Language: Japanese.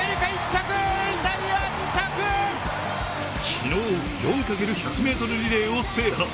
昨日４×１００ｍリレーを制覇。